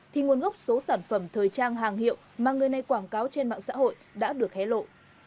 thì nguồn gốc số sản phẩm thời trang hàng hiệu mà người này quảng cáo trên mạng xã hội đã được hé lộ